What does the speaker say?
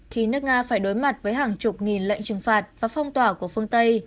khi nước nga phải đối mặt với hàng chục nghìn lệnh trừng phạt và phong tỏa của phương tây